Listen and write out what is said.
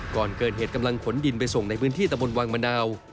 ก่อนเกิดเหตุกำลังขนดินไปส่งในพื้นที่ตะบนวังมะนาว